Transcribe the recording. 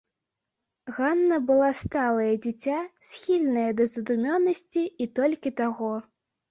Ганна была сталае дзіця, схільнае да задумёнасці, і толькі таго.